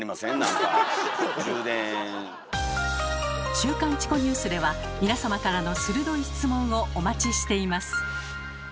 「週刊チコニュース」では皆様からの鋭い質問をお待ちしています。